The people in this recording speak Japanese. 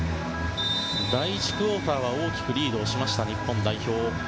第１クオーターは大きくリードをしました日本代表です。